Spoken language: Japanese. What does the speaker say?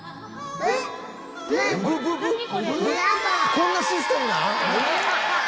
こんなシステムなん！？